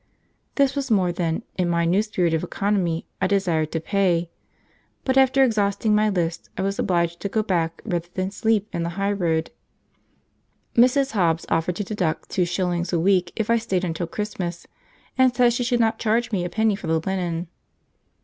This was more than, in my new spirit of economy I desired to pay, but after exhausting my list I was obliged to go back rather than sleep in the highroad. Mrs. Hobbs offered to deduct two shillings a week if I stayed until Christmas, and said she should not charge me a penny for the linen.